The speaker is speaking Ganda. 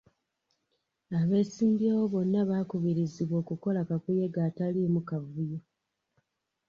Abeesimbyewo bonna baakubirizibwa okukola kakuyege ataliimu kavuyo.